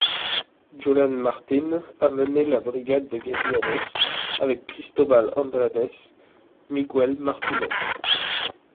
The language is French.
Julian Martin a mené la Brigade des guerilleros, avec Cristobal Andrades, Miguel Martinez.